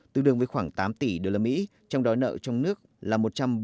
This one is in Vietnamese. tương đương với khoảng tám tỷ đô la mỹ trong đó nợ trong nước là một trăm bốn mươi